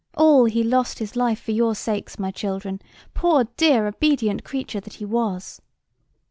All, he lost his life for your sakes, my children, poor dear obedient creature that he was."